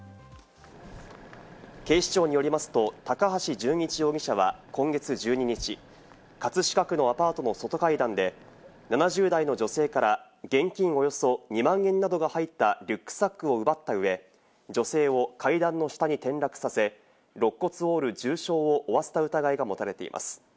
警視庁によりますと、高橋純一容疑者は、今月１２日、葛飾区のアパートの外階段で７０代の女性から現金およそ２万円などが入ったリュックサックを奪った上、女性を階段の下に転落させ、肋骨を折る重傷を負わせた疑いが持たれています。